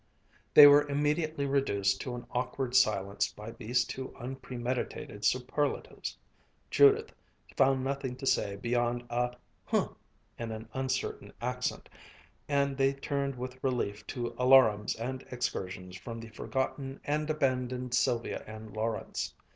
They were immediately reduced to an awkward silence by these two unpremeditated superlatives. Judith found nothing to say beyond a "huh" in an uncertain accent, and they turned with relief to alarums and excursions from the forgotten and abandoned Sylvia and Lawrence.